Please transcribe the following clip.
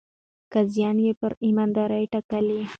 قاضيان يې پر ايماندارۍ ټاکل.